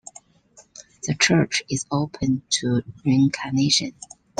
The church is open to reincarnation.